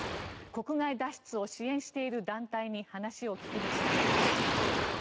国外脱出を支援している団体に話を聞きました。